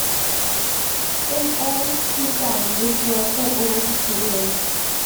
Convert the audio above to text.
In all she sang this work for over fifty years.